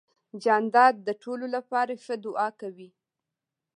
جانداد د ټولو لپاره ښه دعا کوي.